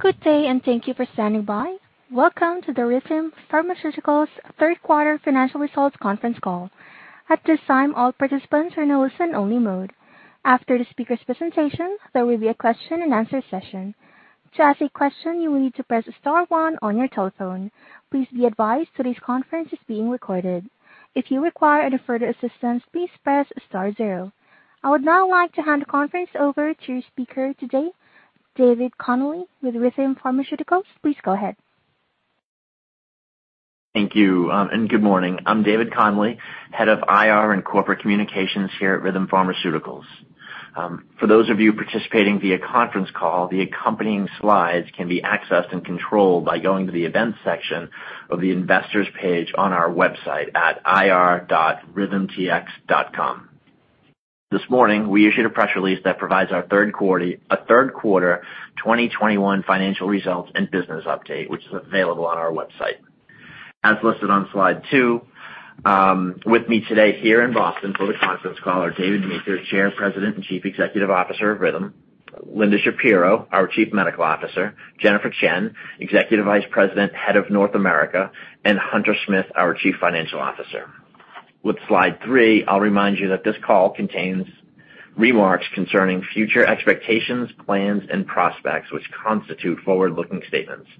Good day, and thank you for standing by. Welcome to the Rhythm Pharmaceuticals third quarter financial results conference call. At this time, all participants are in a listen-only mode. After the speaker's presentation, there will be a question-and-answer session. To ask a question, you will need to press star one on your telephone. Please be advised today's conference is being recorded. If you require any further assistance, please press star zero. I would now like to hand the conference over to your speaker today, David Connolly with Rhythm Pharmaceuticals. Please go ahead. Thank you, and good morning. I'm David Connolly, Head of IR and Corporate Communications here at Rhythm Pharmaceuticals. For those of you participating via conference call, the accompanying slides can be accessed and controlled by going to the Events section of the Investors page on our website at ir.rhythmtx.com. This morning, we issued a press release that provides our third quarter 2021 financial results and business update, which is available on our website. As listed on Slide 2, with me today here in Boston for the conference call are David Meeker, Chair, President, and Chief Executive Officer of Rhythm; Linda Shapiro, our Chief Medical Officer; Jennifer Chien, Executive Vice President, Head of North America; and Hunter Smith, our Chief Financial Officer. With Slide 3, I'll remind you that this call contains remarks concerning future expectations, plans, and prospects, which constitute forward-looking statements.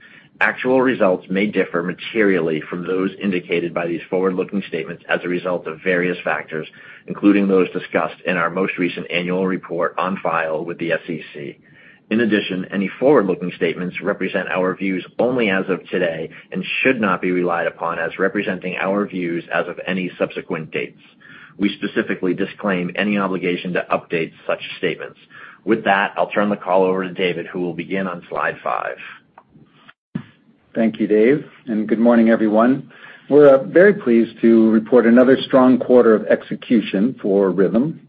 Actual results may differ materially from those indicated by these forward-looking statements as a result of various factors, including those discussed in our most recent annual report on file with the SEC. In addition, any forward-looking statements represent our views only as of today and should not be relied upon as representing our views as of any subsequent dates. We specifically disclaim any obligation to update such statements. With that, I'll turn the call over to David, who will begin on Slide 5. Thank you, Dave, and good morning, everyone. We're very pleased to report another strong quarter of execution for Rhythm.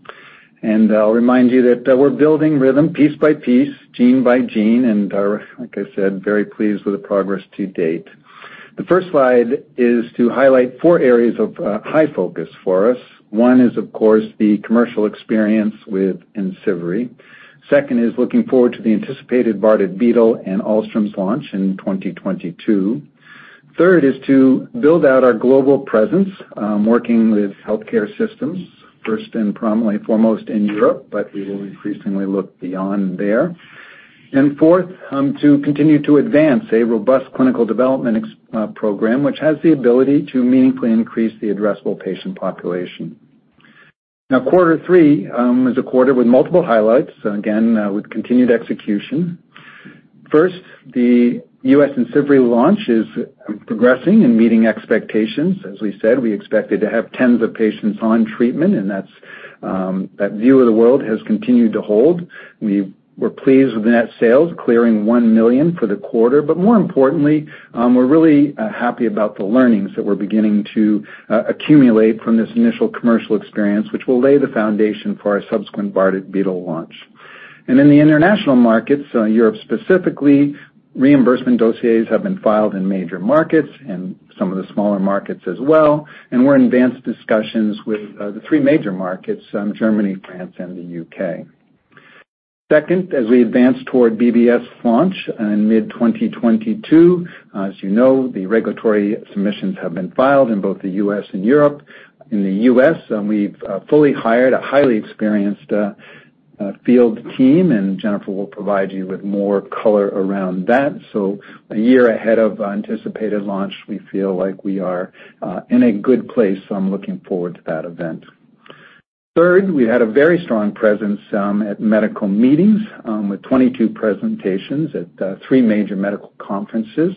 I'll remind you that we're building Rhythm piece by piece, gene by gene, and are, like I said, very pleased with the progress to date. The first slide is to highlight four areas of high focus for us. One is, of course, the commercial experience with IMCIVREE. Second is looking forward to the anticipated Bardet-Biedl and Alström launch in 2022. Third is to build out our global presence, working with healthcare systems first and prominently foremost in Europe, but we will increasingly look beyond there. Fourth, to continue to advance a robust clinical development program, which has the ability to meaningfully increase the addressable patient population. Now, quarter three is a quarter with multiple highlights, again, with continued execution. First, the U.S. IMCIVREE launch is progressing and meeting expectations. As we said, we expected to have tens of patients on treatment, and that's that view of the world has continued to hold. We were pleased with the net sales clearing $1 million for the quarter. More importantly, we're really happy about the learnings that we're beginning to accumulate from this initial commercial experience, which will lay the foundation for our subsequent Bardet-Biedl launch. In the international markets, Europe specifically, reimbursement dossiers have been filed in major markets and some of the smaller markets as well. We're in advanced discussions with the three major markets, Germany, France, and the U.K. Second, as we advance toward BBS launch in mid-2022, as you know, the regulatory submissions have been filed in both the U.S. and Europe. In the U.S., we've fully hired a highly experienced field team, and Jennifer will provide you with more color around that. A year ahead of anticipated launch, we feel like we are in a good place, so I'm looking forward to that event. Third, we had a very strong presence at medical meetings with 22 presentations at three major medical conferences.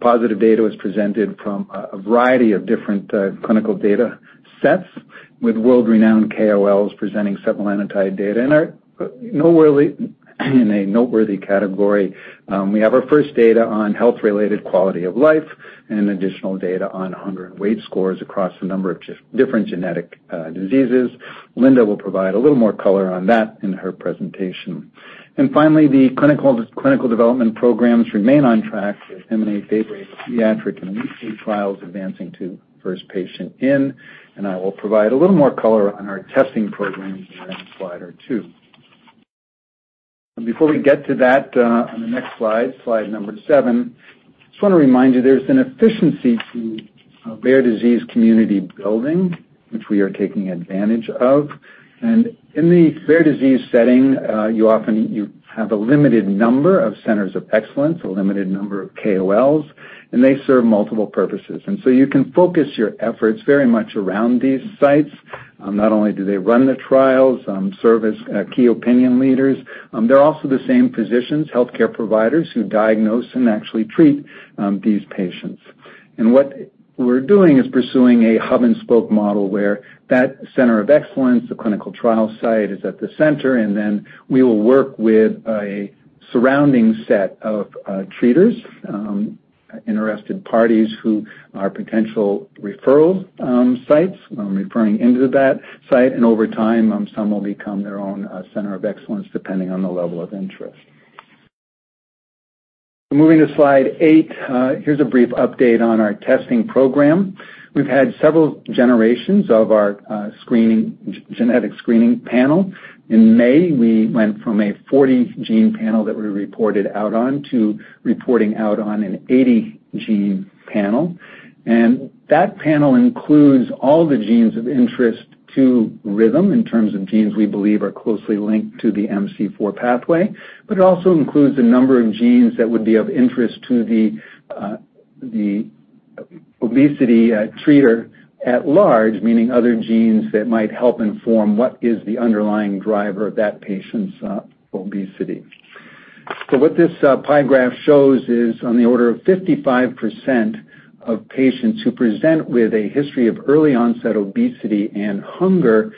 Positive data was presented from a variety of different clinical data sets with world-renowned KOLs presenting several antibody data. In a noteworthy category, we have our first data on health-related quality of life and additional data on hunger and weight scores across a number of different genetic diseases. Linda will provide a little more color on that in her presentation. Finally, the clinical development programs remain on track with EMANATE, Bardet-Biedl, pediatric and Alström trials advancing to first patient in, and I will provide a little more color on our testing programs in a slide or two. Before we get to that, on the next Slide 7, just wanna remind you there's an efficiency to rare disease community building, which we are taking advantage of. In the rare disease setting, you often have a limited number of centers of excellence, a limited number of KOLs, and they serve multiple purposes. You can focus your efforts very much around these sites. Not only do they run the trials, serve as key opinion leaders, they're also the same physicians, healthcare providers who diagnose and actually treat these patients. What we're doing is pursuing a hub-and-spoke model where that center of excellence, the clinical trial site, is at the center, and then we will work with a surrounding set of treaters, interested parties who are potential referral sites, referring into that site. Over time, some will become their own center of excellence depending on the level of interest. Moving to Slide 8. Here's a brief update on our testing program. We've had several generations of our genetic screening panel. In May, we went from a 40-gene panel that we reported out on to reporting out on an 80-gene panel. That panel includes all the genes of interest to Rhythm in terms of genes we believe are closely linked to the MC4 pathway. It also includes a number of genes that would be of interest to the obesity treater at large, meaning other genes that might help inform what is the underlying driver of that patient's obesity. What this pie chart shows is on the order of 55% of patients who present with a history of early-onset obesity and hunger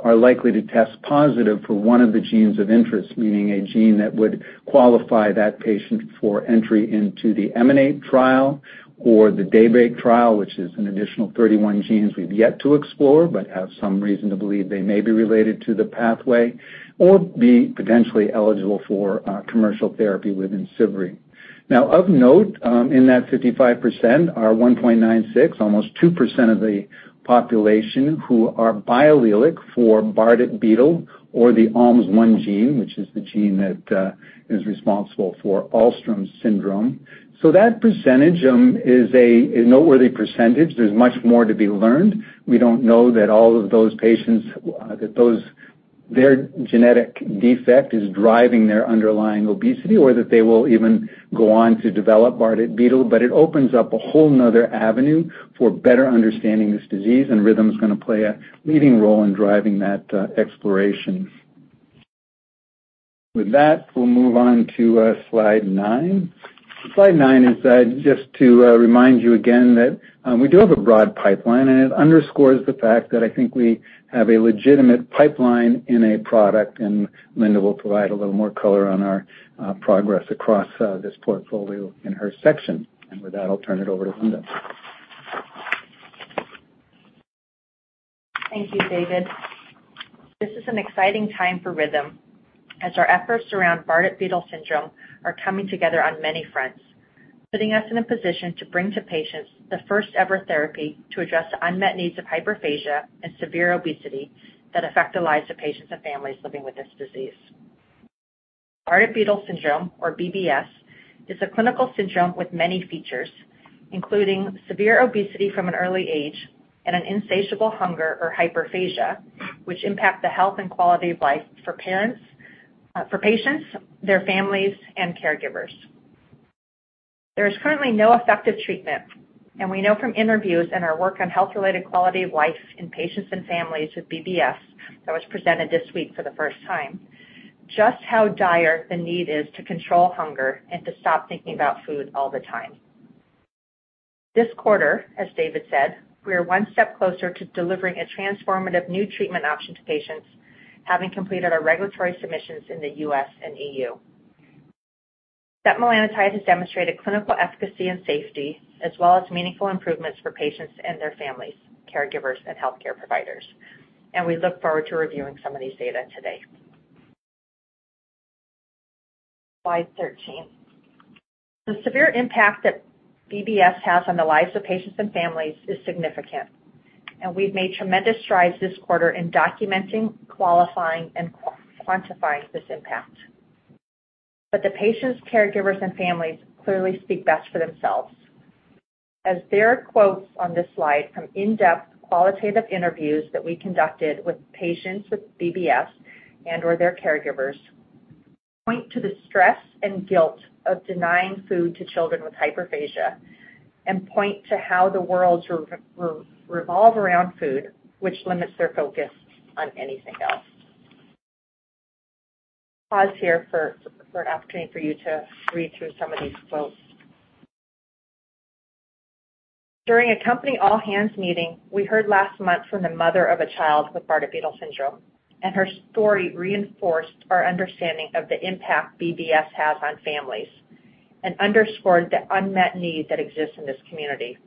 are likely to test positive for one of the genes of interest, meaning a gene that would qualify that patient for entry into the EMANATE trial or the DAYBREAK trial, which is an additional 31 genes we've yet to explore, but have some reason to believe they may be related to the pathway or be potentially eligible for commercial therapy within IMCIVREE. Now, of note, in that 55% are 1.96, almost 2% of the population who are biallelic for Bardet-Biedl or the ALMS1 gene, which is the gene that is responsible for Alström syndrome. So that percentage is a noteworthy percentage. There's much more to be learned. We don't know that all of those patients, their genetic defect is driving their underlying obesity, or that they will even go on to develop Bardet-Biedl, but it opens up a whole another avenue for better understanding this disease, and Rhythm is going to play a leading role in driving that exploration. With that, we'll move on to Slide 9. Slide 9 is just to remind you again that we do have a broad pipeline, and it underscores the fact that I think we have a legitimate pipeline in a product. Linda will provide a little more color on our progress across this portfolio in her section. With that, I'll turn it over to Linda. Thank you, David. This is an exciting time for Rhythm as our efforts around Bardet-Biedl syndrome are coming together on many fronts, putting us in a position to bring to patients the first-ever therapy to address the unmet needs of hyperphagia and severe obesity that affect the lives of patients and families living with this disease. Bardet-Biedl syndrome, or BBS, is a clinical syndrome with many features, including severe obesity from an early age and an insatiable hunger or hyperphagia, which impact the health and quality of life for parents, for patients, their families, and caregivers. There is currently no effective treatment, and we know from interviews and our work on health-related quality of life in patients and families with BBS, that was presented this week for the first time, just how dire the need is to control hunger and to stop thinking about food all the time. This quarter, as David said, we are one step closer to delivering a transformative new treatment option to patients, having completed our regulatory submissions in the U.S. and E.U. setmelanotide has demonstrated clinical efficacy and safety, as well as meaningful improvements for patients and their families, caregivers, and healthcare providers. We look forward to reviewing some of these data today. Slide 13. The severe impact that BBS has on the lives of patients and families is significant, and we've made tremendous strides this quarter in documenting, qualifying, and quantifying this impact. The patients, caregivers, and families clearly speak best for themselves, as their quotes on this slide from in-depth qualitative interviews that we conducted with patients with BBS and/or their caregivers point to the stress and guilt of denying food to children with hyperphagia and point to how the worlds revolve around food, which limits their focus on anything else. Pause here for an opportunity for you to read through some of these quotes. During a company all-hands meeting, we heard last month from the mother of a child with Bardet-Biedl syndrome, and her story reinforced our understanding of the impact BBS has on families and underscored the unmet need that exists in this community.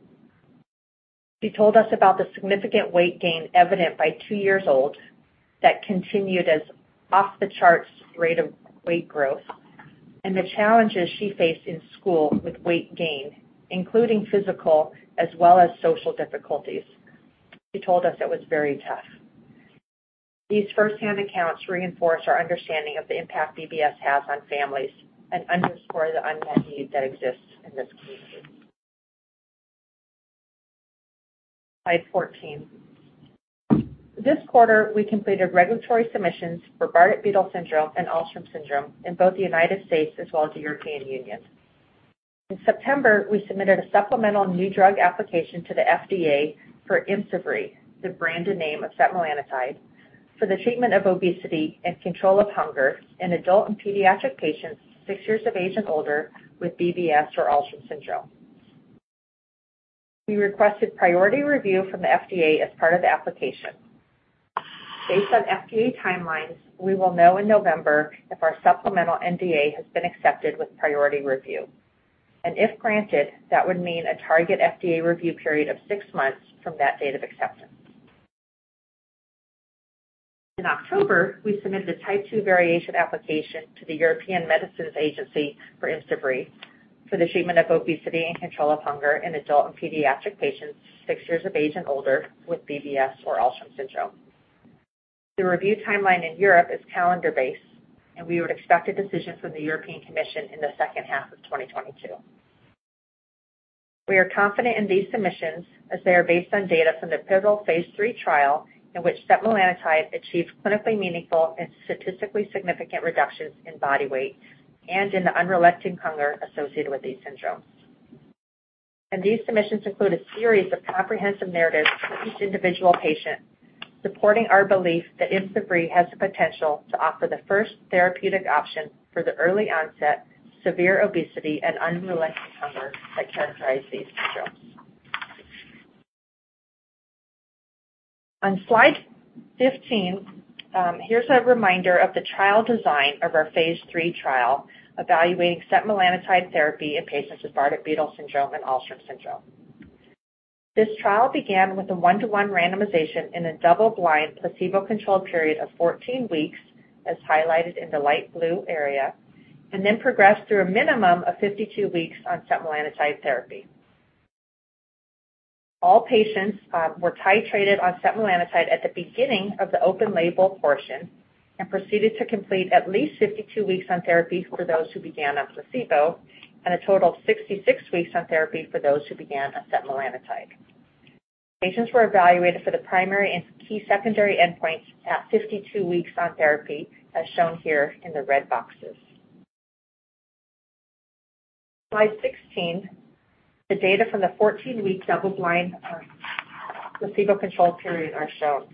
She told us about the significant weight gain evident by two years old that continued at an off-the-charts rate of weight growth and the challenges she faced in school with weight gain, including physical as well as social difficulties. She told us it was very tough. These firsthand accounts reinforce our understanding of the impact BBS has on families and underscore the unmet need that exists in this community. Slide 14. This quarter, we completed regulatory submissions for Bardet-Biedl syndrome and Alström syndrome in both the United States as well as the European Union. In September, we submitted a supplemental New Drug Application to the FDA for IMCIVREE, the brand name of setmelanotide, for the treatment of obesity and control of hunger in adult and pediatric patients six years of age and older with BBS or Alström syndrome. We requested priority review from the FDA as part of the application. Based on FDA timelines, we will know in November if our supplemental NDA has been accepted with priority review. If granted, that would mean a target FDA review period of six months from that date of acceptance. In October, we submitted a Type II variation application to the European Medicines Agency for IMCIVREE for the treatment of obesity and control of hunger in adult and pediatric patients six years of age and older with BBS or Alström syndrome. The review timeline in Europe is calendar-based, and we would expect a decision from the European Commission in the second half of 2022. We are confident in these submissions as they are based on data from the pivotal phase III trial in which setmelanotide achieved clinically meaningful and statistically significant reductions in body weight and in the unrelenting hunger associated with these syndromes. These submissions include a series of comprehensive narratives for each individual patient, supporting our belief that IMCIVREE has the potential to offer the first therapeutic option for the early onset, severe obesity and unrelenting hunger that characterize these syndromes. On Slide 15, here's a reminder of the trial design of our phase III trial evaluating setmelanotide therapy in patients with Bardet-Biedl syndrome and Alström syndrome. This trial began with a one to one randomization in a double-blind, placebo-controlled period of 14 weeks, as highlighted in the light blue area, and then progressed through a minimum of 52 weeks on setmelanotide therapy. All patients were titrated on setmelanotide at the beginning of the open label portion and proceeded to complete at least 52 weeks on therapy for those who began on placebo and a total of 66 weeks on therapy for those who began on setmelanotide. Patients were evaluated for the primary and key secondary endpoints at 52 weeks on therapy, as shown here in the red boxes. Slide 16, the data from the 14-week double-blind placebo control period are shown,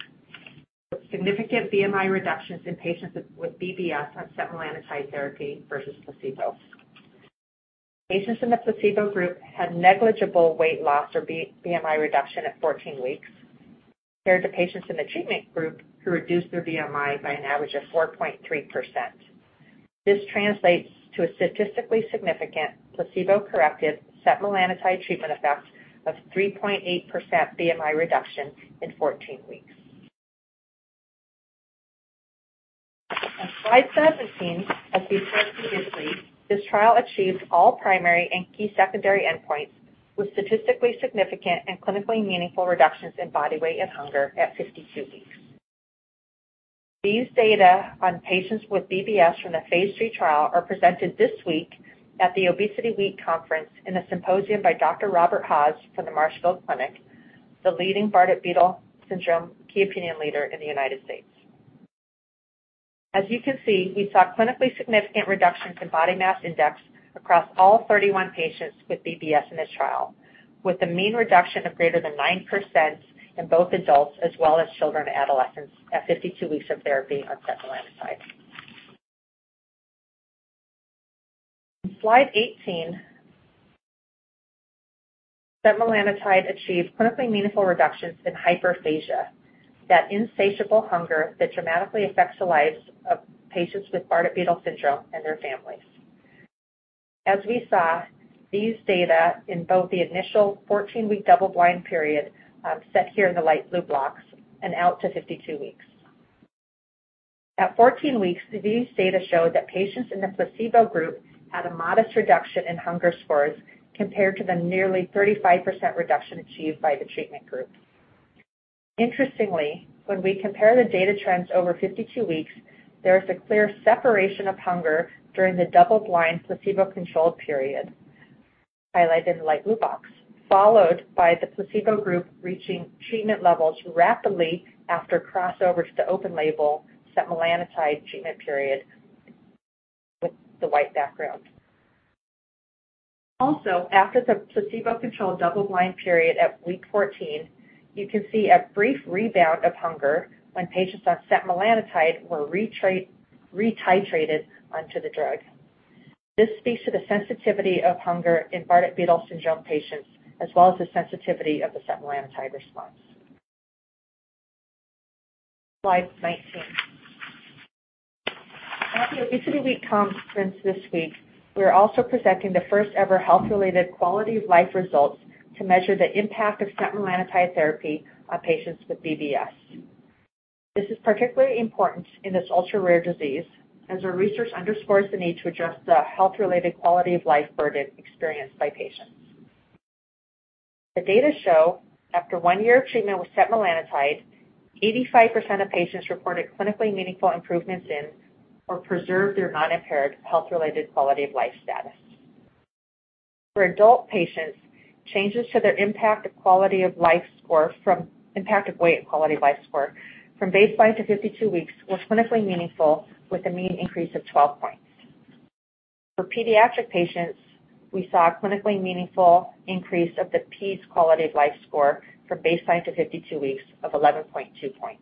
with significant BMI reductions in patients with BBS on setmelanotide therapy versus placebo. Patients in the placebo group had negligible weight loss or BMI reduction at 14 weeks compared to patients in the treatment group who reduced their BMI by an average of 4.3%. This translates to a statistically significant placebo-corrected setmelanotide treatment effect of 3.8% BMI reduction in 14 weeks. On Slide 17, as we showed previously, this trial achieved all primary and key secondary endpoints with statistically significant and clinically meaningful reductions in body weight and hunger at 52 weeks. These data on patients with BBS from the phase III trial are presented this week at the ObesityWeek conference in a symposium by Dr. Robert Haws from the Marshfield Clinic, the leading Bardet-Biedl syndrome key opinion leader in the United States. As you can see, we saw clinically significant reductions in body mass index across all 31 patients with BBS in this trial, with a mean reduction of greater than 9% in both adults as well as children and adolescents at 52 weeks of therapy on setmelanotide. Slide 18. Setmelanotide achieved clinically meaningful reductions in hyperphagia, that insatiable hunger that dramatically affects the lives of patients with Bardet-Biedl syndrome and their families. As we saw, these data in both the initial 14-week double-blind period, set here in the light blue blocks and out to 52 weeks. At 14 weeks, these data show that patients in the placebo group had a modest reduction in hunger scores compared to the nearly 35% reduction achieved by the treatment group. Interestingly, when we compare the data trends over 52 weeks, there is a clear separation of hunger during the double-blind, placebo-controlled period, highlighted in the light blue box, followed by the placebo group reaching treatment levels rapidly after crossover to open label setmelanotide treatment period with the white background. Also, after the placebo-controlled double-blind period at week 14, you can see a brief rebound of hunger when patients on setmelanotide were retitrated onto the drug. This speaks to the sensitivity of hunger in Bardet-Biedl syndrome patients, as well as the sensitivity of the setmelanotide response. Slide 19. At the ObesityWeek conference this week, we are also presenting the first-ever health-related quality of life results to measure the impact of setmelanotide therapy on patients with BBS. This is particularly important in this ultra-rare disease as our research underscores the need to address the health-related quality of life burden experienced by patients. The data show after one year of treatment with setmelanotide, 85% of patients reported clinically meaningful improvements in or preserved their non-impaired health-related quality of life status. For adult patients, changes to their Impact of Weight on Quality of Life score from baseline to 52 weeks was clinically meaningful, with a mean increase of 12 points. For pediatric patients, we saw a clinically meaningful increase of the PedsQL quality of life score from baseline to 52 weeks of 11.2 points.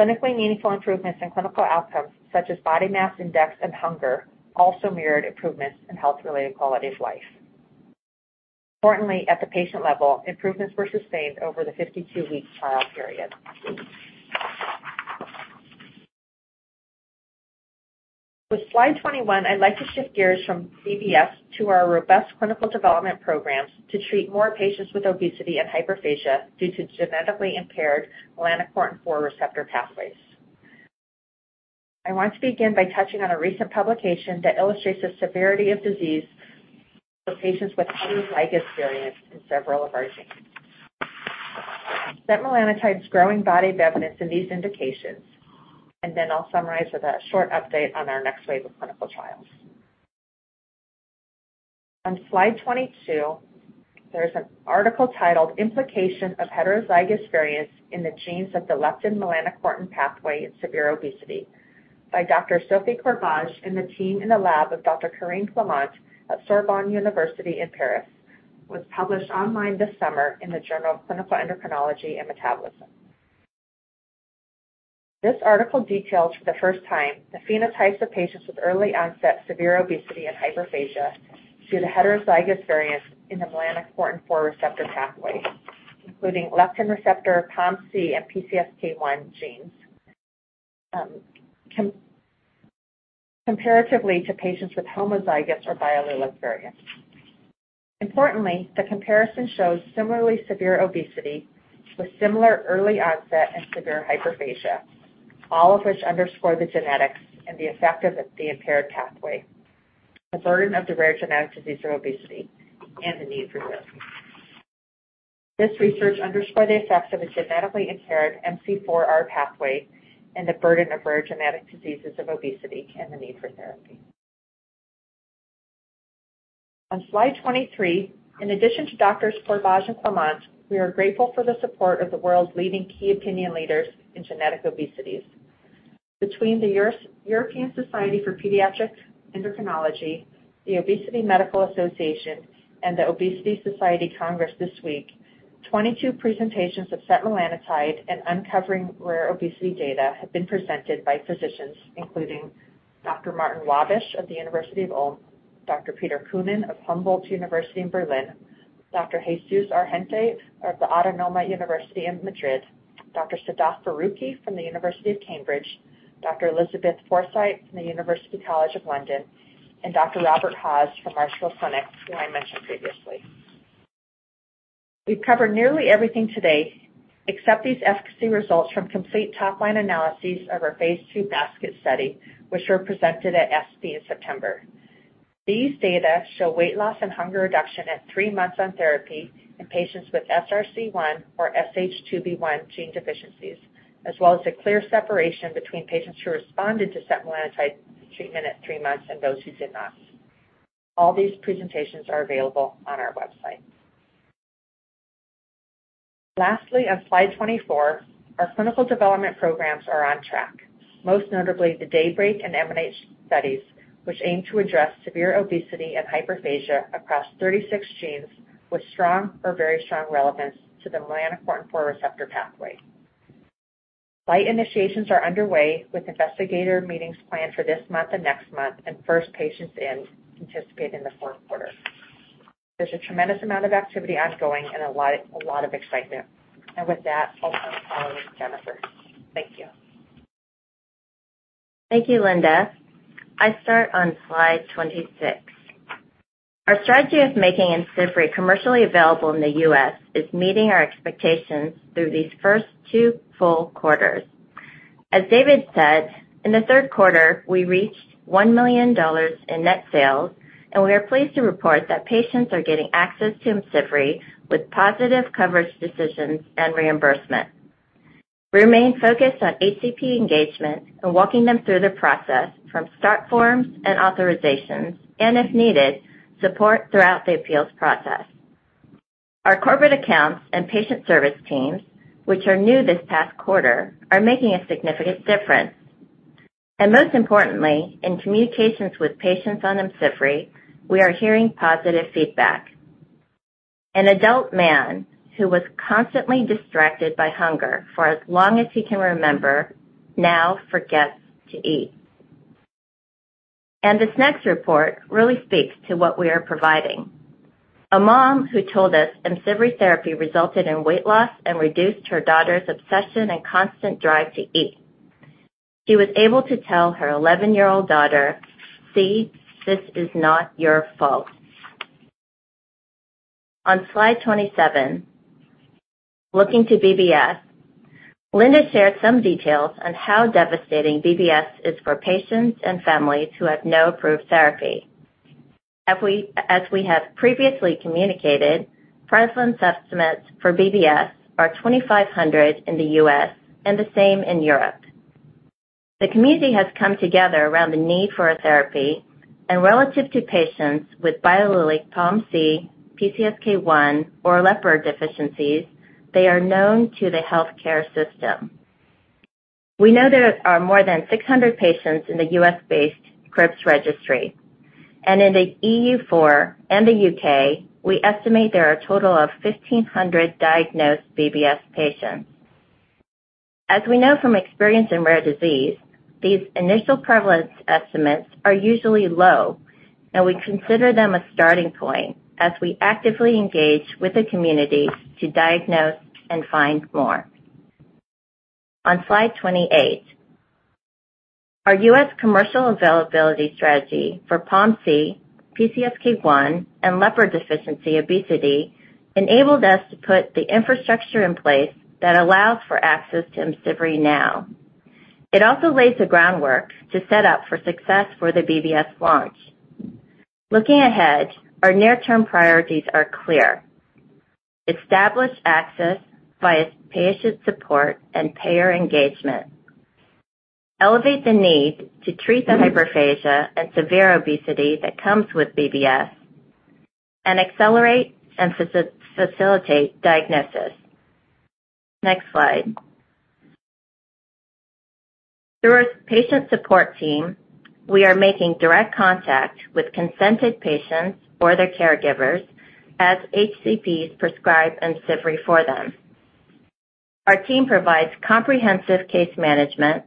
Clinically meaningful improvements in clinical outcomes such as body mass index and hunger also mirrored improvements in health-related quality of life. Importantly, at the patient level, improvements were sustained over the 52-week trial period. With Slide 21, I'd like to shift gears from BBS to our robust clinical development programs to treat more patients with obesity and hyperphagia due to genetically impaired melanocortin-4 receptor pathways. I want to begin by touching on a recent publication that illustrates the severity of disease for patients with heterozygous variants in several of our genes. Setmelanotide's growing body of evidence in these indications, and then I'll summarize with a short update on our next wave of clinical trials. On Slide 22, there's an article titled Implication of heterozygous variants in the genes of the leptin-melanocortin pathway in severe obesity by Dr. Sophie Corbière and the team in the lab of Dr. Karine Clément at Sorbonne University in Paris, was published online this summer in the Journal of Clinical Endocrinology & Metabolism. This article details for the first time the phenotypes of patients with early-onset severe obesity and hyperphagia due to heterozygous variants in the melanocortin-4 receptor pathway, including leptin receptor, POMC, and PCSK1 genes, comparatively to patients with homozygous or biallelic variants. Importantly, the comparison shows similarly severe obesity with similar early onset and severe hyperphagia, all of which underscore the genetics and the effect of the impaired pathway, the burden of the rare genetic disease of obesity, and the need for this. This research underscored the effects of a genetically impaired MC4R pathway and the burden of rare genetic diseases of obesity and the need for therapy. On Slide 23, in addition to Doctors Corbière and Clément, we are grateful for the support of the world's leading key opinion leaders in genetic obesities. Between the European Society for Pediatric Endocrinology, the Obesity Medicine Association, and the Obesity Society Congress this week, 22 presentations of setmelanotide and Uncovering Rare Obesity data have been presented by physicians including Dr. Martin Wabitsch of the University of Ulm, Dr. Peter Kühnen of Humboldt University in Berlin, Dr. Jesús Argente of the Autonoma University in Madrid, Dr. Sadaf Farooqi from the University of Cambridge, Dr. Elizabeth Forsythe from the University College London, and Dr. Robert Haws from Marshfield Clinic, who I mentioned previously. We've covered nearly everything today except these efficacy results from complete top-line analyses of our phase II basket study, which were presented at ESPE in September. These data show weight loss and hunger reduction at three months on therapy in patients with SRC1 or SH2B1 gene deficiencies, as well as a clear separation between patients who responded to setmelanotide treatment at three months and those who did not. All these presentations are available on our website. Lastly, on Slide 24, our clinical development programs are on track, most notably the DAYBREAK and EMANATE studies, which aim to address severe obesity and hyperphagia across 36 genes with strong or very strong relevance to the melanocortin-4 receptor pathway. Site initiations are underway, with investigator meetings planned for this month and next month and first patients in anticipated in the fourth quarter. There's a tremendous amount of activity ongoing and a lot of excitement. With that, I'll now follow Jennifer. Thank you. Thank you, Linda. I start on Slide 26. Our strategy of making IMCIVREE commercially available in the U.S. is meeting our expectations through these first two full quarters. As David said, in the third quarter, we reached $1 million in net sales, and we are pleased to report that patients are getting access to IMCIVREE with positive coverage decisions and reimbursement. We remain focused on ACP engagement and walking them through the process from start forms and authorizations, and if needed, support throughout the appeals process. Our corporate accounts and patient service teams, which are new this past quarter, are making a significant difference. Most importantly, in communications with patients on IMCIVREE, we are hearing positive feedback. An adult man who was constantly distracted by hunger for as long as he can remember now forgets to eat. This next report really speaks to what we are providing. A mom who told us IMCIVREE therapy resulted in weight loss and reduced her daughter's obsession and constant drive to eat. She was able to tell her 11-year-old daughter, "See, this is not your fault." On Slide 27, looking to BBS, Linda shared some details on how devastating BBS is for patients and families who have no approved therapy. As we have previously communicated, prevalence estimates for BBS are 2,500 in the U.S. and the same in Europe. The community has come together around the need for a therapy, and relative to patients with biallelic POMC, PCSK1, or LEPR deficiencies, they are known to the healthcare system. We know there are more than 600 patients in the U.S.-based CRIBBS registry. In the EU4 and the U.K., we estimate there are a total of 1,500 diagnosed BBS patients. As we know from experience in rare disease, these initial prevalence estimates are usually low, and we consider them a starting point as we actively engage with the community to diagnose and find more. On Slide 28. Our US commercial availability strategy for POMC, PCSK1, and LEPR deficiency obesity enabled us to put the infrastructure in place that allows for access to IMCIVREE now. It also lays the groundwork to set up for success for the BBS launch. Looking ahead, our near-term priorities are clear. Establish access via patient support and payer engagement. Elevate the need to treat the hyperphagia and severe obesity that comes with BBS, and accelerate and facilitate diagnosis. Next slide. Through our patient support team, we are making direct contact with consented patients or their caregivers as HCPs prescribe IMCIVREE for them. Our team provides comprehensive case management,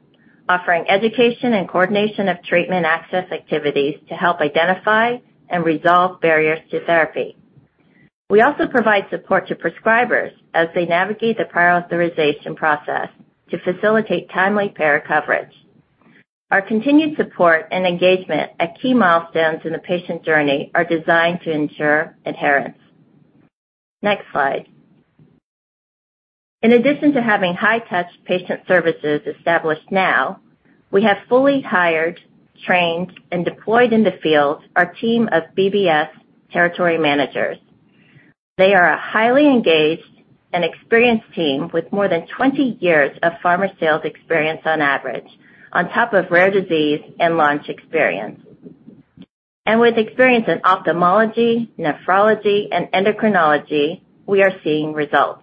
offering education and coordination of treatment access activities to help identify and resolve barriers to therapy. We also provide support to prescribers as they navigate the prior authorization process to facilitate timely payer coverage. Our continued support and engagement at key milestones in the patient journey are designed to ensure adherence. Next slide. In addition to having high-touch patient services established now, we have fully hired, trained, and deployed in the field our team of BBS territory managers. They are a highly engaged and experienced team with more than 20 years of pharma sales experience on average, on top of rare disease and launch experience. With experience in ophthalmology, nephrology, and endocrinology, we are seeing results.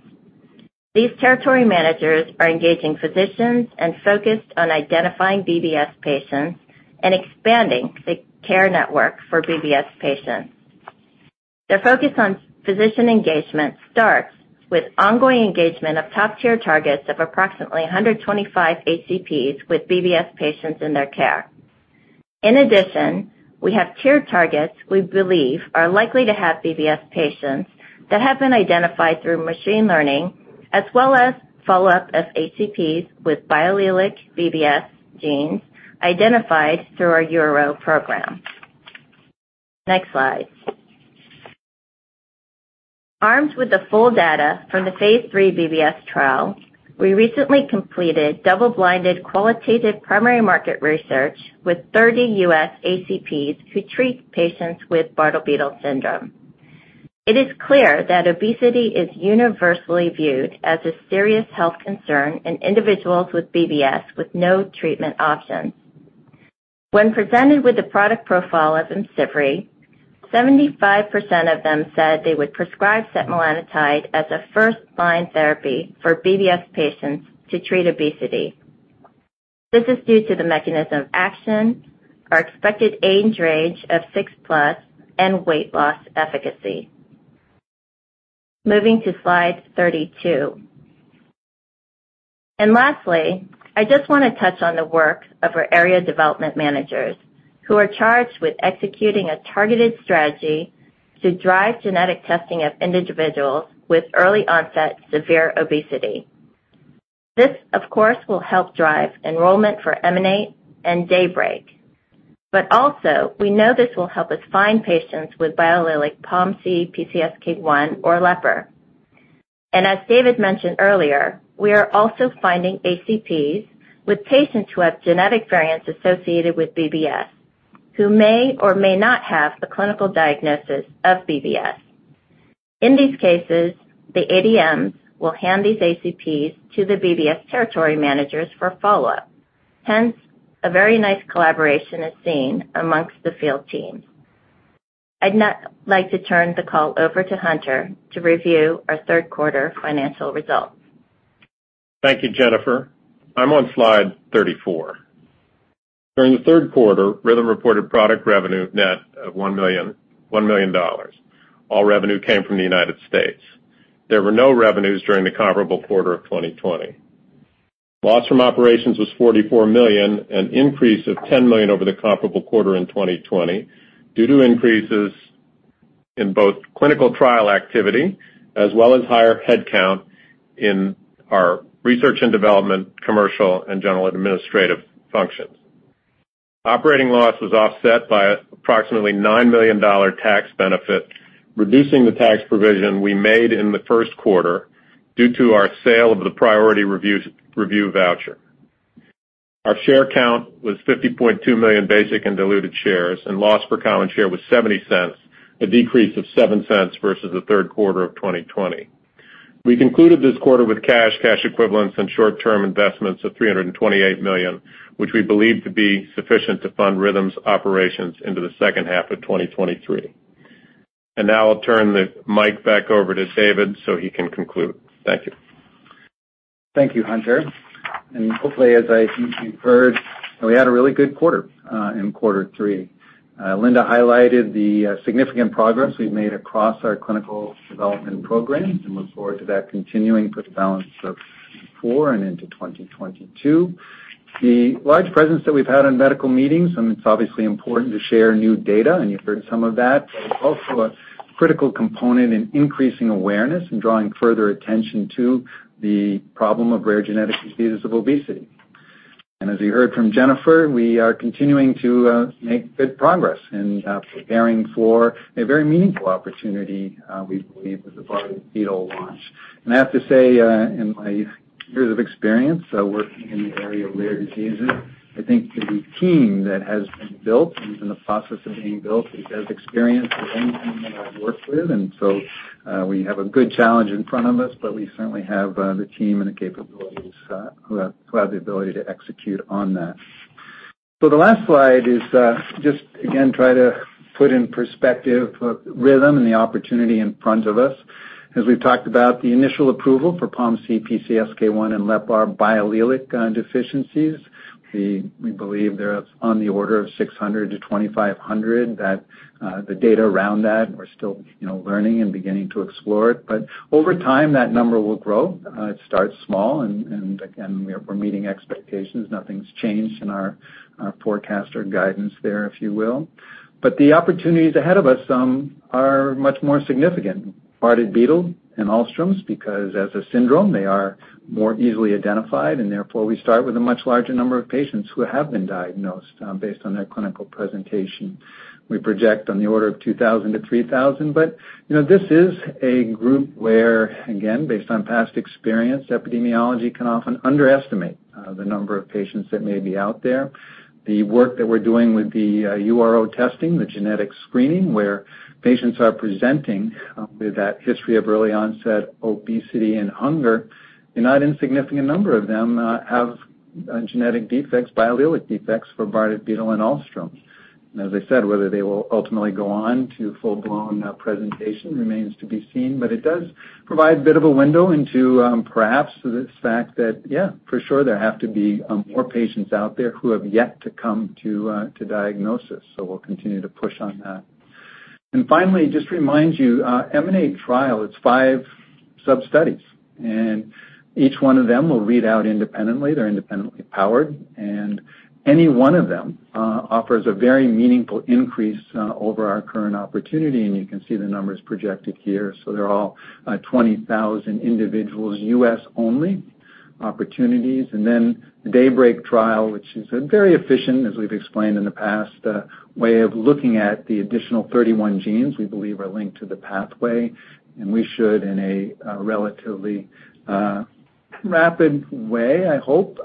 These territory managers are engaging physicians and focused on identifying BBS patients and expanding the care network for BBS patients. Their focus on physician engagement starts with ongoing engagement of top-tier targets of approximately 125 HCPs with BBS patients in their care. In addition, we have tiered targets we believe are likely to have BBS patients that have been identified through machine learning, as well as follow-up of HCPs with biallelic BBS genes identified through our Uncovering Rare Obesity program. Next slide. Armed with the full data from the phase III BBS trial, we recently completed double-blinded qualitative primary market research with 30 U.S. HCPs who treat patients with Bardet-Biedl syndrome. It is clear that obesity is universally viewed as a serious health concern in individuals with BBS with no treatment options. When presented with the product profile of IMCIVREE, 75% of them said they would prescribe setmelanotide as a first-line therapy for BBS patients to treat obesity. This is due to the mechanism of action, our expected age range of 6+, and weight loss efficacy. Moving to Slide 32. Lastly, I just wanna touch on the work of our area development managers, who are charged with executing a targeted strategy to drive genetic testing of individuals with early onset severe obesity. This, of course, will help drive enrollment for EMANATE and DAYBREAK. Also, we know this will help us find patients with biallelic POMC, PCSK1, or LEPR. As David mentioned earlier, we are also finding HCPs with patients who have genetic variants associated with BBS, who may or may not have a clinical diagnosis of BBS. In these cases, the ADMs will hand these HCPs to the BBS territory managers for follow-up. Hence, a very nice collaboration is seen among the field team. I'd now like to turn the call over to Hunter to review our third quarter financial results. Thank you, Jennifer. I'm on Slide 34. During the third quarter, Rhythm reported product revenue net of $1.1 million. All revenue came from the United States. There were no revenues during the comparable quarter of 2020. Loss from operations was $44 million, an increase of $10 million over the comparable quarter in 2020 due to increases in both clinical trial activity as well as higher headcount in our research and development, commercial, and general administrative functions. Operating loss was offset by approximately $9 million tax benefit, reducing the tax provision we made in the first quarter due to our sale of the priority review voucher. Our share count was 50.2 million basic and diluted shares, and loss per common share was $(0.70), a decrease of $(0.07) versus the third quarter of 2020. We concluded this quarter with cash equivalents, and short-term investments of $328 million, which we believe to be sufficient to fund Rhythm's operations into the second half of 2023. Now I'll turn the mic back over to David so he can conclude. Thank you. Thank you, Hunter. Hopefully, as I think you've heard, we had a really good quarter in quarter three. Linda highlighted the significant progress we've made across our clinical development programs and look forward to that continuing for the balance of 2024 and into 2022. The large presence that we've had in medical meetings, and it's obviously important to share new data, and you've heard some of that. Also a critical component in increasing awareness and drawing further attention to the problem of rare genetic diseases of obesity. As you heard from Jennifer, we are continuing to make good progress in preparing for a very meaningful opportunity we believe with the Bardet-Biedl launch. I have to say, in my years of experience, working in the area of rare diseases, I think the team that has been built and is in the process of being built is as experienced as any team that I've worked with. We have a good challenge in front of us, but we certainly have the team and the capabilities who have the ability to execute on that. The last slide is just again, try to put in perspective, Rhythm and the opportunity in front of us. As we've talked about the initial approval for POMC, PCSK1, and LEPR biallelic deficiencies. We believe they're on the order of 600-2,500, that the data around that, we're still, you know, learning and beginning to explore it. Over time, that number will grow. It starts small and again, we're meeting expectations. Nothing's changed in our forecast or guidance there, if you will. The opportunities ahead of us are much more significant. Bardet-Biedl and Alström, because as a syndrome, they are more easily identified, and therefore, we start with a much larger number of patients who have been diagnosed based on their clinical presentation. We project on the order of 2,000-3,000. You know, this is a group where, again, based on past experience, epidemiology can often underestimate the number of patients that may be out there. The work that we're doing with the URO testing, the genetic screening, where patients are presenting with that history of early onset obesity and hunger, a not insignificant number of them have genetic defects, biallelic defects for Bardet-Biedl and Alström. As I said, whether they will ultimately go on to full-blown presentation remains to be seen, but it does provide a bit of a window into perhaps this fact that, yeah, for sure there have to be more patients out there who have yet to come to diagnosis. We'll continue to push on that. Finally, just remind you, EMANATE trial, it's five sub-studies, and each one of them will read out independently. They're independently powered, and any one of them offers a very meaningful increase over our current opportunity, and you can see the numbers projected here. They're all 20,000 individuals, U.S. only opportunities. The DAYBREAK trial, which is a very efficient, as we've explained in the past, way of looking at the additional 31 genes we believe are linked to the pathway. We should, in a relatively rapid way, I hope,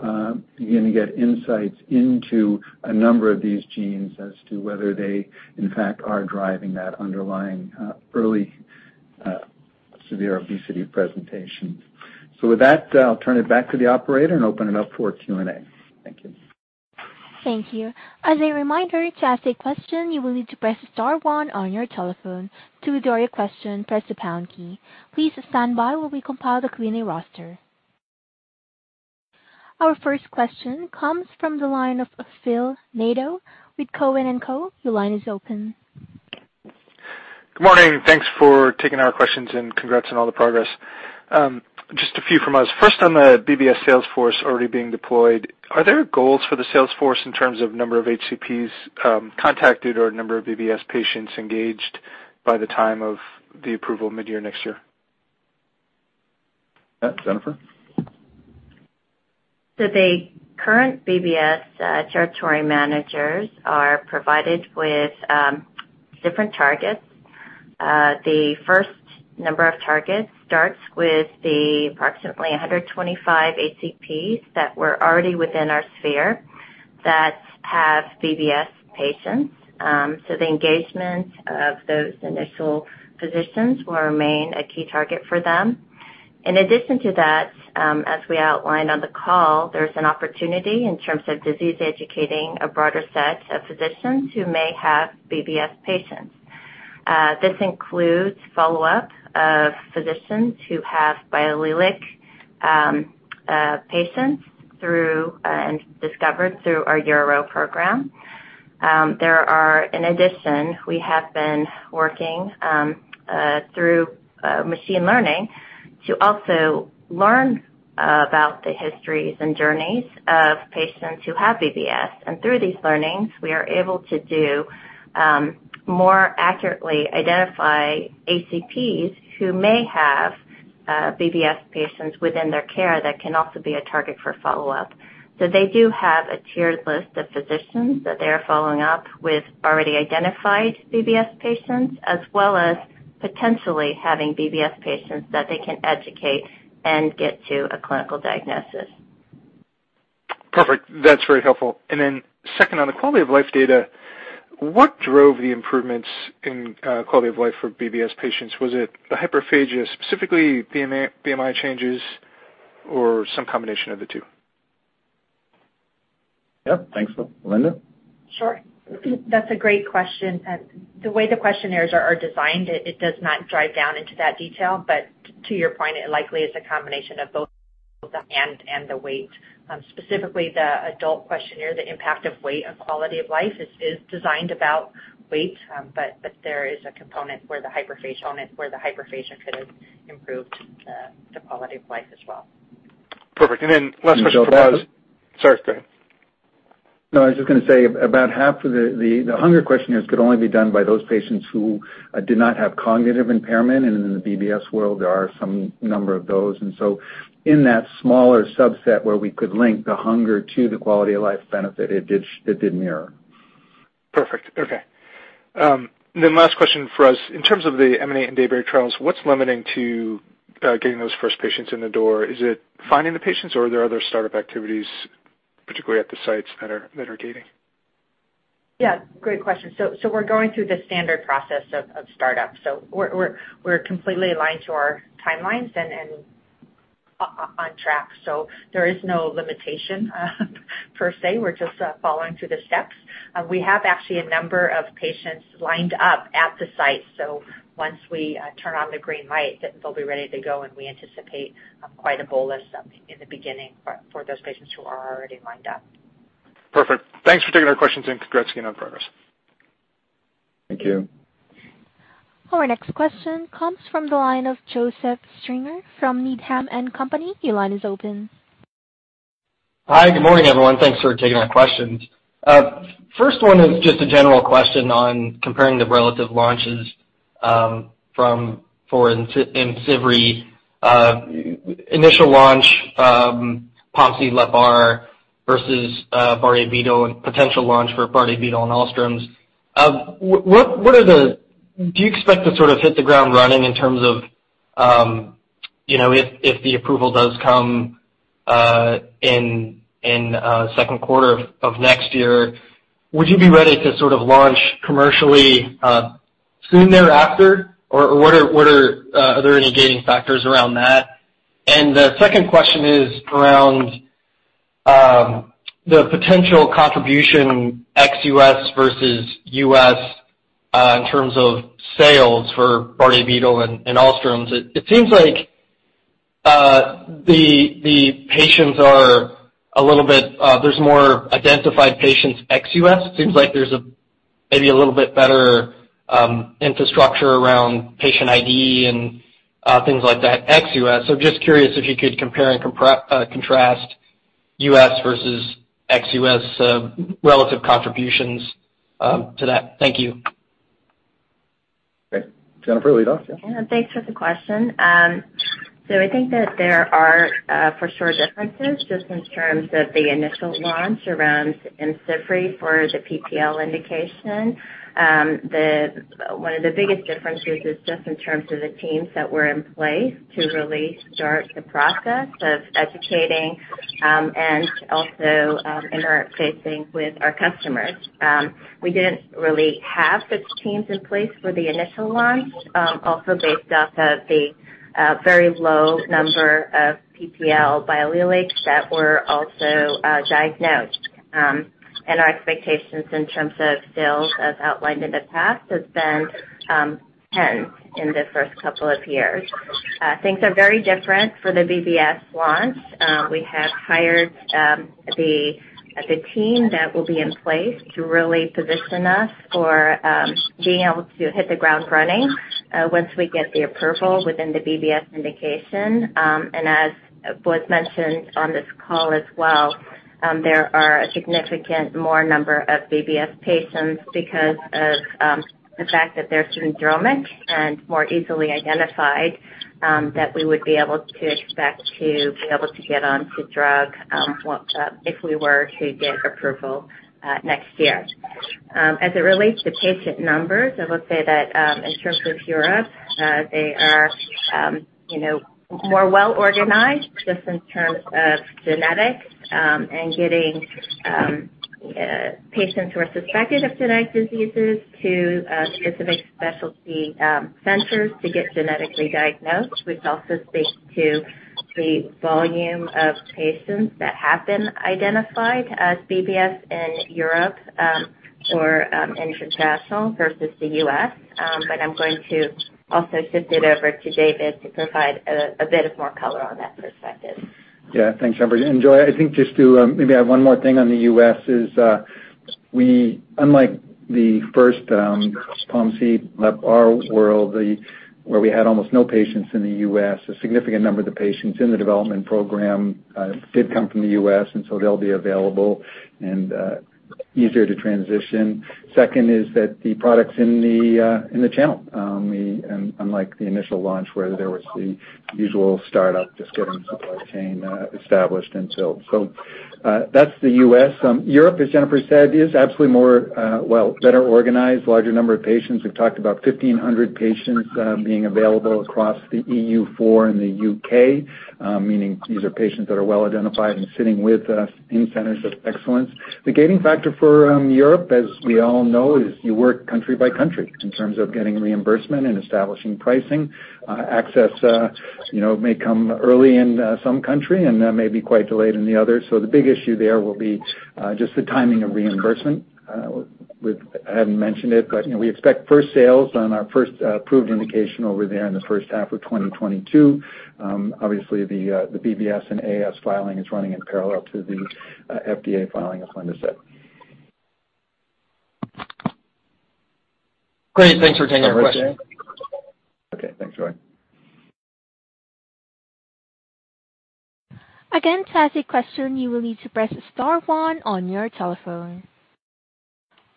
begin to get insights into a number of these genes as to whether they, in fact, are driving that underlying early severe obesity presentation. With that, I'll turn it back to the operator and open it up for Q&A. Thank you. Thank you. As a reminder, to ask a question, you will need to press star one on your telephone. To withdraw your question, press the pound key. Please stand by while we compile the Q&A roster. Our first question comes from the line of Phil Nadeau with Cowen and Co. Your line is open. Good morning. Thanks for taking our questions and congrats on all the progress. Just a few from us. First, on the BBS sales force already being deployed, are there goals for the sales force in terms of number of HCPs contacted or number of BBS patients engaged by the time of the approval mid-year next year? Yeah. Jennifer? The current BBS territory managers are provided with different targets. The first number of targets starts with approximately 125 HCPs that were already within our sphere that have BBS patients. The engagement of those initial physicians will remain a key target for them. In addition to that, as we outlined on the call, there's an opportunity in terms of disease educating a broader set of physicians who may have BBS patients. This includes follow-up of physicians who have biallelic patients through and discovered through our URO program. In addition, we have been working through machine learning to also learn about the histories and journeys of patients who have BBS. Through these learnings, we are able to do more accurately identify HCPs who may have BBS patients within their care that can also be a target for follow-up. They do have a tiered list of physicians that they are following up with already identified BBS patients, as well as potentially having BBS patients that they can educate and get to a clinical diagnosis. Perfect. That's very helpful. Second, on the quality of life data, what drove the improvements in quality of life for BBS patients? Was it the hyperphagia, specifically BMI changes, or some combination of the two? Yeah. Thanks, Phil. Linda? Sure. That's a great question. The way the questionnaires are designed, it does not drive down into that detail, but to your point, it likely is a combination of both the hunger and the weight. Specifically the adult questionnaire, the Impact of Weight on Quality of Life is designed about weight, but there is a component where the hyperphagia could have improved the quality of life as well. Perfect. Last question for both- Sorry, go ahead. No, I was just gonna say about half of the hunger questionnaires could only be done by those patients who did not have cognitive impairment. In the BBS world, there are some number of those. In that smaller subset where we could link the hunger to the quality of life benefit, it did mirror. Perfect. Okay. Last question for us. In terms of the EMANATE and DAYBREAK trials, what's limiting to getting those first patients in the door? Is it finding the patients, or are there other startup activities, particularly at the sites that are gating? Yeah, great question. We're going through the standard process of startup. We're completely aligned to our timelines and on track. There is no limitation per se. We're just following through the steps. We have actually a number of patients lined up at the site. Once we turn on the green light, they'll be ready to go. We anticipate quite a bolus in the beginning for those patients who are already lined up. Perfect. Thanks for taking our questions, and congrats again on progress. Thank you. Our next question comes from the line of Joseph Stringer from Needham & Company. Your line is open. Hi. Good morning, everyone. Thanks for taking my questions. First one is just a general question on comparing the relative launches for IMCIVREE initial launch POMC LEPR versus Bardet-Biedl and potential launch for Bardet-Biedl and Alström. What are the, do you expect to sort of hit the ground running in terms of you know if the approval does come in second quarter of next year would you be ready to sort of launch commercially soon thereafter? Or what are there any gating factors around that? The second question is around the potential contribution ex-U.S. versus U.S. in terms of sales for Bardet-Biedl and Alström. It seems like the patients are a little bit. There's more identified patients ex-U.S. Seems like there's maybe a little bit better infrastructure around patient ID and things like that ex-U.S. Just curious if you could compare and contrast U.S. versus ex-U.S. relative contributions to that. Thank you. Great. Jennifer, lead off. Yeah. Yeah. Thanks for the question. So I think that there are, for sure differences just in terms of the initial launch around IMCIVREE for the POMC, PCSK1, LEPR indication. One of the biggest differences is just in terms of the teams that were in place to really start the process of educating, and also, interfacing with our customers. We didn't really have the teams in place for the initial launch, also based off of the, very low number of POMC, PCSK1, LEPR biallelics that were also diagnosed. Our expectations in terms of sales, as outlined in the past, has been tens in the first couple of years. Things are very different for the BBS launch. We have hired the team that will be in place to really position us for being able to hit the ground running once we get the approval within the BBS indication. As was mentioned on this call as well, there are a significant more number of BBS patients because of the fact that they're syndromic and more easily identified that we would be able to expect to be able to get onto drug if we were to get approval next year. As it relates to patient numbers, I will say that, in terms of Europe, they are, you know, more well organized just in terms of genetics and getting patients who are suspected of genetic diseases to specific specialty centers to get genetically diagnosed, which also speaks to the volume of patients that have been identified as BBS in Europe or international versus the U.S. I'm going to also shift it over to David to provide a bit more color on that perspective. Yeah. Thanks, Jennifer. Joe, I think just to maybe add one more thing on the U.S. is, we unlike the first POMC, LEPR world, where we had almost no patients in the U.S., a significant number of the patients in the development program did come from the U.S., and so they'll be available and easier to transition. Second is that the product's in the channel, we unlike the initial launch where there was the usual startup just getting supply chain established. So, that's the U.S. Europe, as Jennifer said, is absolutely more well, better organized, larger number of patients. We've talked about 1,500 patients being available across the EU four and the U.K., meaning these are patients that are well identified and sitting with us in centers of excellence. The gating factor for Europe, as we all know, is you work country by country in terms of getting reimbursement and establishing pricing. Access, you know, may come early in some country and may be quite delayed in the other. The big issue there will be just the timing of reimbursement. We've, I hadn't mentioned it, but, you know, we expect first sales on our first approved indication over there in the first half of 2022. Obviously the BBS and AS filing is running in parallel to the FDA filing, as Linda said. Great. Thanks for taking our question. Okay. Thanks, Joe. Again, to ask a question, you will need to press star one on your telephone.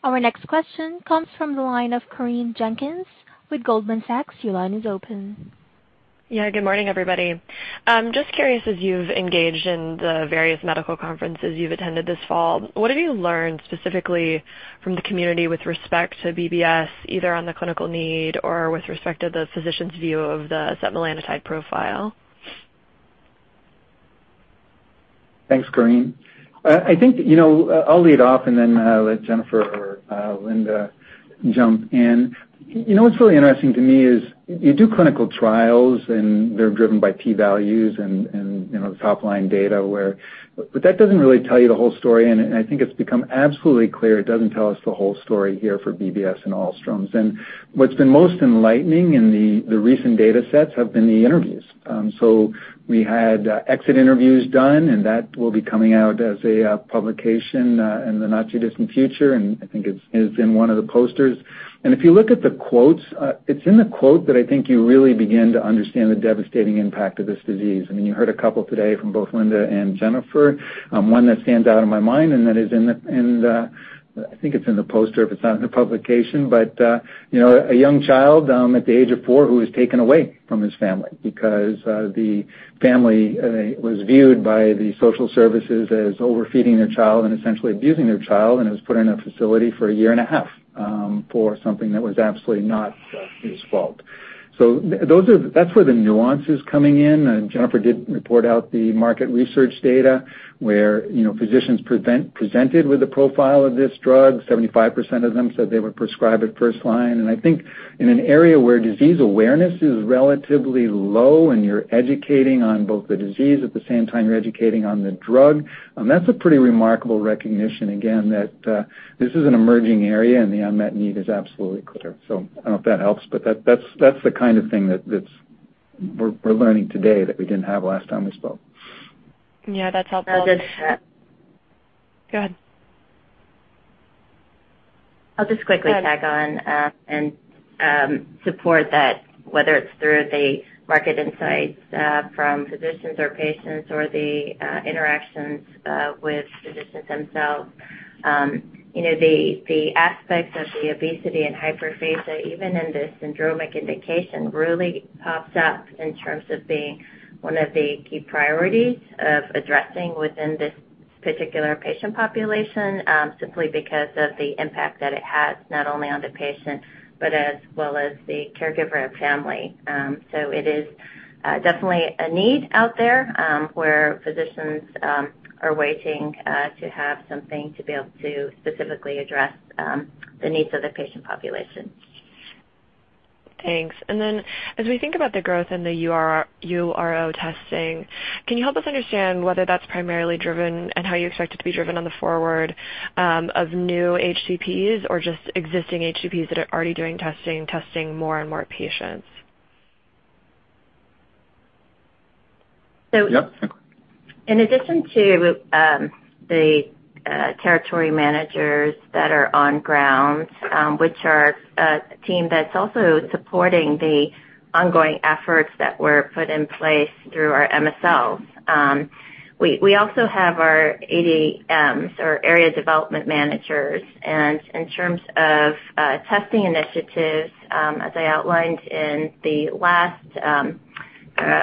Our next question comes from the line of Corinne Jenkins with Goldman Sachs. Your line is open. Yeah, good morning, everybody. Just curious, as you've engaged in the various medical conferences you've attended this fall, what have you learned specifically from the community with respect to BBS, either on the clinical need or with respect to the physician's view of the setmelanotide profile? Thanks, Corinne. I think, you know, I'll lead off and then let Jennifer or Linda jump in. You know what's really interesting to me is you do clinical trials, and they're driven by P values and, you know, the top-line data where but that doesn't really tell you the whole story. I think it's become absolutely clear it doesn't tell us the whole story here for BBS and Alström's. What's been most enlightening in the recent data sets have been the interviews. So we had exit interviews done, and that will be coming out as a publication in the not-too-distant future. I think it's in one of the posters. If you look at the quotes, it's in the quote that I think you really begin to understand the devastating impact of this disease. I mean, you heard a couple today from both Linda and Jennifer. One that stands out in my mind, and that is in the, I think it's in the poster if it's not in the publication. You know, a young child at the age of four who was taken away from his family because the family was viewed by the social services as overfeeding their child and essentially abusing their child and was put in a facility for a year and a half for something that was absolutely not his fault. Those are. That's where the nuance is coming in. Jennifer did report out the market research data where, you know, physicians presented with the profile of this drug, 75% of them said they would prescribe it first line. I think in an area where disease awareness is relatively low, and you're educating on both the disease, at the same time you're educating on the drug, that's a pretty remarkable recognition, again, that this is an emerging area, and the unmet need is absolutely clear. I don't know if that helps, but that's the kind of thing that we're learning today that we didn't have last time we spoke. Yeah, that's helpful. I'll just- Go ahead. I'll just quickly tag on and support that whether it's through the market insights from physicians or patients or the interactions with physicians themselves. You know, the aspects of the obesity and hyperphagia, even in the syndromic indication, really pops up in terms of being one of the key priorities of addressing within this particular patient population, simply because of the impact that it has not only on the patient but as well as the caregiver and family. It is definitely a need out there, where physicians are waiting to have something to be able to specifically address the needs of the patient population. Thanks. As we think about the growth in the URO testing, can you help us understand whether that's primarily driven and how you expect it to be driven going forward by new HCPs or just existing HCPs that are already doing testing more and more patients? Yep. In addition to the territory managers that are on ground, which are a team that's also supporting the ongoing efforts that were put in place through our MSLs. We also have our ADMs or area development managers. In terms of testing initiatives, as I outlined in the last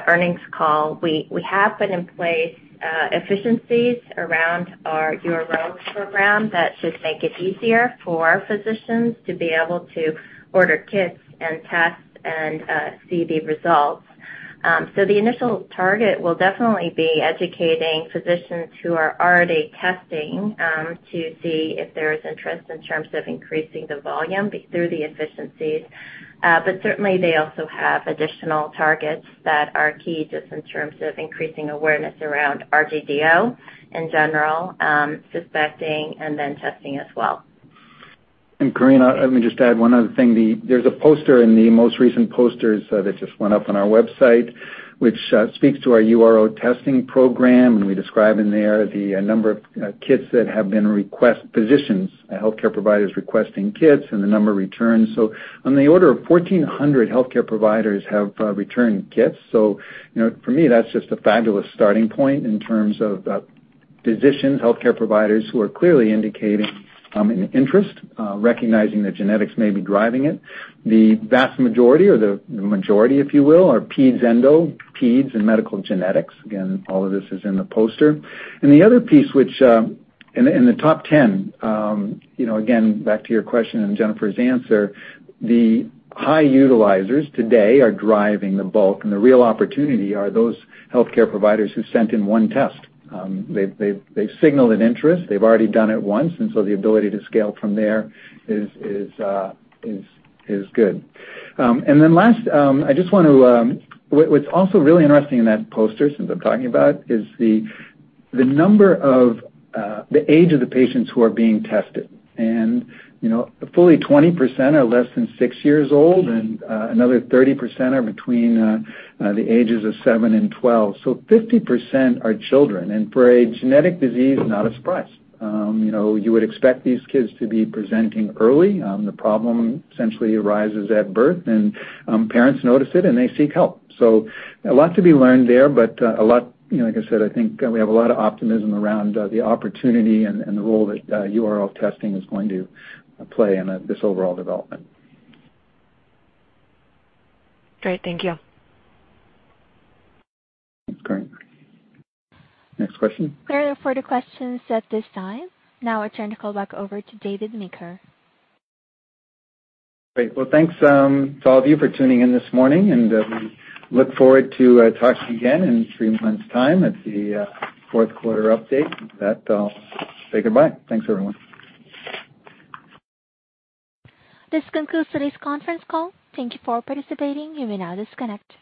earnings call, we have put in place efficiencies around our URO program that should make it easier for physicians to be able to order kits and tests and see the results. The initial target will definitely be educating physicians who are already testing to see if there is interest in terms of increasing the volume through the efficiencies. Certainly, they also have additional targets that are key just in terms of increasing awareness around RGDO in general, suspecting and then testing as well. Corinne, let me just add one other thing. There's a poster in the most recent posters that just went up on our website, which speaks to our URO testing program. We describe in there the number of kits that have been requested by physicians and healthcare providers requesting kits and the number of returns. On the order of 1,400 healthcare providers have returned kits. You know, for me, that's just a fabulous starting point in terms of physicians, healthcare providers who are clearly indicating an interest recognizing that genetics may be driving it. The vast majority or the majority, if you will, are peds endo, peds and medical genetics. Again, all of this is in the poster. The other piece which in the top ten, you know, again, back to your question and Jennifer's answer, the high utilizers today are driving the bulk. The real opportunity are those healthcare providers who sent in one test. They've signaled an interest. They've already done it once, and so the ability to scale from there is good. What's also really interesting in that poster since I'm talking about is the age of the patients who are being tested. You know, fully 20% are less than six years old, and another 30% are between the ages of 7 and 12. 50% are children. For a genetic disease, not a surprise. You know, you would expect these kids to be presenting early. The problem essentially arises at birth and parents notice it, and they seek help. A lot to be learned there, but a lot, you know, like I said, I think we have a lot of optimism around the opportunity and the role that URO testing is going to play in this overall development. Great. Thank you. Thanks, Corinne. Next question. There are no further questions at this time. Now I turn the call back over to David Meeker. Great. Well, thanks to all of you for tuning in this morning, and we look forward to talking again in three months' time at the fourth quarter update. With that, I'll say goodbye. Thanks, everyone. This concludes today's conference call. Thank you for participating. You may now disconnect.